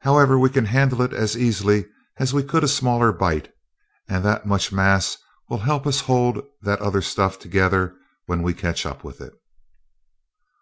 However, we can handle it as easily as we could a smaller bite, and that much mass will help us hold that other stuff together when we catch up with it."